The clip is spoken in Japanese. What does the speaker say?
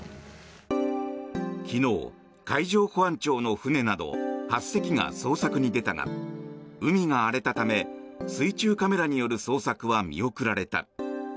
昨日、海上保安庁の船など８隻が捜索に出たが海が荒れたため水中カメラによる捜索は見送られた。